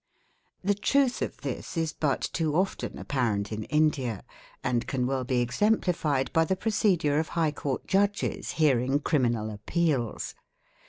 The truth of this is but too often apparent in India, and can well be exemplified by the procedure of High Court Judges hearing Criminal Appeals.